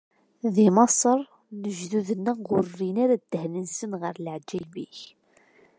Di Maṣer, lejdud-nneɣ ur rrin ara ddehn-nsen ɣer leɛǧayeb-ik.